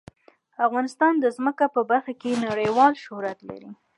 افغانستان د ځمکه په برخه کې نړیوال شهرت لري.